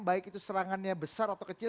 baik itu serangannya besar atau kecil